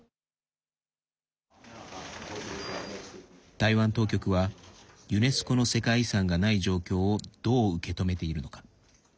台湾当局はユネスコの世界遺産がない状況をどう受け止めているのか。